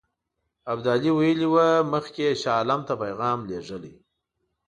ابدالي ویلي وو مخکې یې شاه عالم ته پیغام لېږلی.